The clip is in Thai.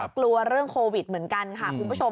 กลัวเรื่องโควิดเหมือนกันค่ะคุณผู้ชม